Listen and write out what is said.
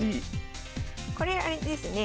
これあれですね。